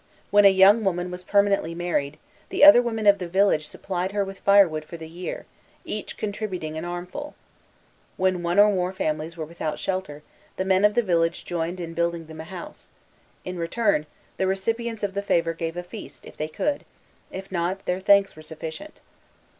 When a young woman was permanently married, the other women of the village supplied her with firewood for the year, each contributing an armful. When one or more families were without shelter, the men of the village joined in building them a house. In return, the recipients of the favor gave a feast, if they could; if not, their thanks were sufficient.